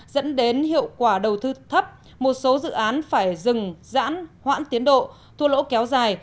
dẫn đến hiệu quả đầu tư thấp một số dự án phải dừng giãn hoãn tiến độ thua lỗ kéo dài